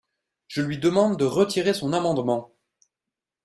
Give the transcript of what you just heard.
Je lui demande de retirer son amendement.